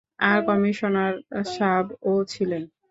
আর commissioner সাব ও ছিলেন।